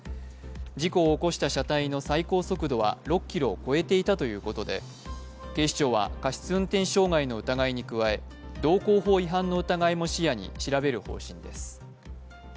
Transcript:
事故を起こした車体の最高速度は６キロを超えていたということで警視庁は過失運転傷害の疑いに加え道交法違反の疑いも視野に調べる方針です。